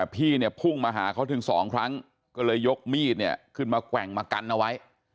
พุ่งมาหาเขาถึง๒ครั้งก็เลยยกมีดขึ้นมาแกว่งมากันเอาไว้